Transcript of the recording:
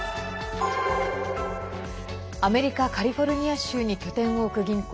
アメリカカリフォルニア州に拠点を置く銀行